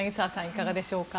いかがでしょうか。